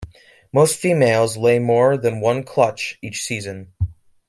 Most females lay more than one clutch each season.